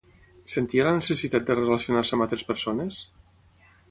Sentia la necessitat de relacionar-se amb altres persones?